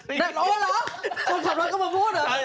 แบบโหลละคนขอบรับก็มาพูดเหรอแบบเดียว